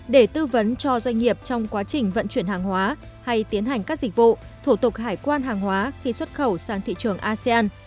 để tư vấn cho doanh nghiệp trong quá trình vận chuyển hàng hóa hay tiến hành các dịch vụ thủ tục hải quan hàng hóa khi xuất khẩu sang thị trường asean